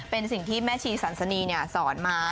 เป็นสิ่งที่แม่ชีสันสนีสอนมา